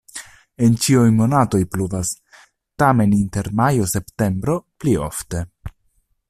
En ĉiuj monatoj pluvas, tamen inter majo-septembro pli ofte.